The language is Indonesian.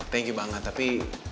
thank you banget tapi